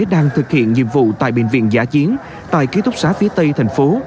đang thực hiện nhiệm vụ tại bệnh viện giả chiến tại ký túc xá phía tây thành phố